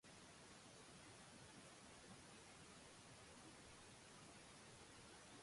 پڇي مهيَ ڪولِيج ۾ داکلا لِي جٿ مهيَ ٻاره ڪتاب پڙهيَ پورا ڪيا۔